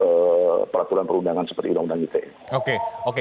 dan menggunakan peraturan perundangan seperti undang undang ite